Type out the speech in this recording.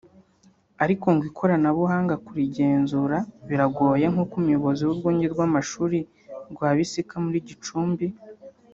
ariko ngo ikoranabuhanga kurigenzura biragoye nk’uko Umuyobozi w’Urwunge rw’amashuri rwa Bisika muri Gicumbi